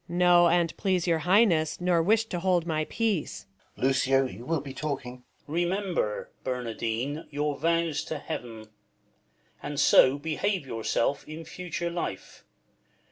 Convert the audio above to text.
Luc. No, an"t please your Highness, Nor wisht to hold my peace. Balt. Lucio, you will be talking. Duke. Remember, Bernardine, your vows to Heaven ; And so behave yourself in future life.